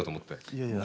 いやいや。